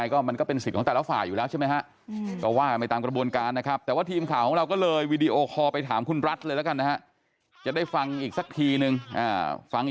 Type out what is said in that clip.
มีภาพการไม่ได้มีปัญหาไม่ได้ทะเลาะกัน